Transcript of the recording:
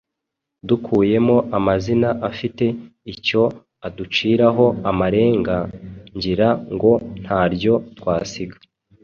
Dukuyemo amazina afite icyo aduciraho amarenga, ngira ngo ntaryo twasiga.